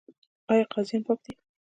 آیا قاضیان پاک دي؟